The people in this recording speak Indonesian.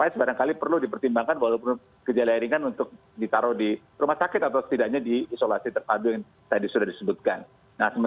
seperti yang terjadi di krukut pada awal beberapa pekan lalu